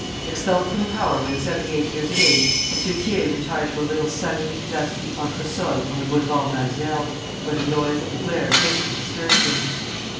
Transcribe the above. Expelled from power when seventy eight years of age, M. Thiers retired to a little sunny, dusty entresol on the Boulevard Malesherbes, where the noise and glare greatly disturbed him.